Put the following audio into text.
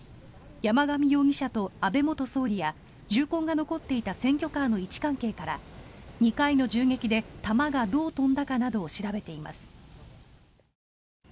山上容疑者と安倍元総理や銃痕が残っていた選挙カーの位置関係から２回の銃撃で弾がどう飛んだかなどを調べています。